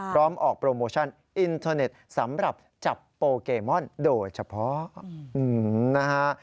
พร้อมออกโปรโมชั่นอินเทอร์เน็ตสำหรับจับโปเกมอนโดยเฉพาะนะฮะ